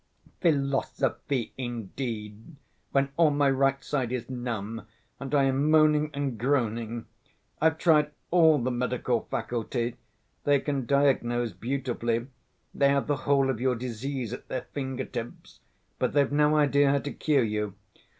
"Philosophy, indeed, when all my right side is numb and I am moaning and groaning. I've tried all the medical faculty: they can diagnose beautifully, they have the whole of your disease at their finger‐tips, but they've no idea how to cure you.